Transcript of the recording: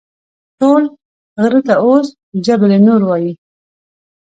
ټول غره ته اوس جبل نور وایي.